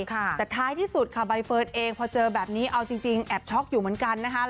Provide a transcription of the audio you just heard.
แต่ท้ายที่สุดค่ะใบเฟิร์นเองพอเจอแบบนี้เอาจริงแอบช็อกอยู่เหมือนกันนะคะ